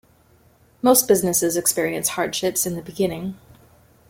Most businesses experience hardships in the beginning.